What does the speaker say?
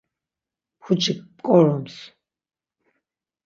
Pucik mǩorums.